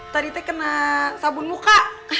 tadi teh kena sabun muka